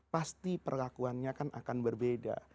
pasti perlakuannya akan berbeda